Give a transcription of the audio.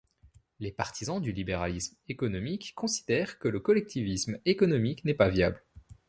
Les partisans du libéralisme économique considèrent que le collectivisme économique n'est pas viable.